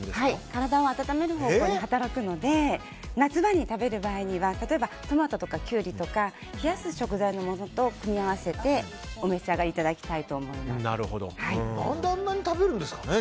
体を温める方向に働くので夏場に食べる場合は例えばトマトとかキュウリとか冷やす食材と組み合わせてお召し上がりいただきたいと何であんなに食べるんですかね。